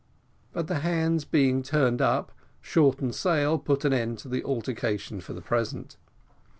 But the hands being turned up, "Shorten sail" put an end to the altercation for the present.